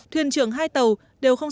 thuyền trưởng hai tàu đều không